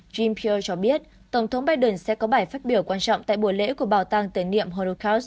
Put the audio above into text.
jean pierre cho biết tổng thống biden sẽ có bài phát biểu quan trọng tại buổi lễ của bào tàng tền niệm holocaust